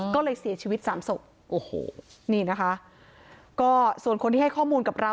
ก็เลยเสียชีวิตสามศพโอ้โหนี่นะคะก็ส่วนคนที่ให้ข้อมูลกับเรา